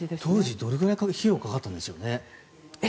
当時、どれぐらい費用がかかったんですかね。